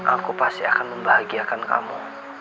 aku pasti akan membahagiakan kamu